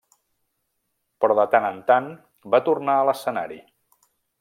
Però de tant en tant va tornar a l'escenari.